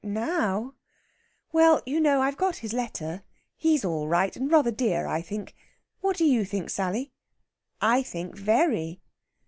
"Now? Well, you know, I've got his letter. He's all right and rather dear, I think. What do you think, Sally?" "I think very."